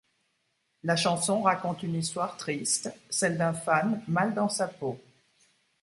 La chanson raconte une histoire triste, celle d'un fan mal dans sa peau.